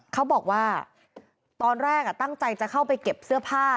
เขาบอกว่าตอนแรกตั้งใจจะเข้าไปเก็บเสื้อผ้า